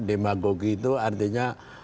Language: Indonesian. demagogi itu artinya